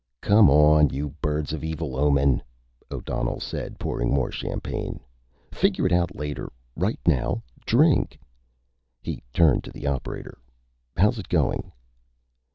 "Come on, you birds of evil omen," O'Donnell said, pouring more champagne. "Figure it out later. Right now, drink." He turned to the operator. "How's it going?"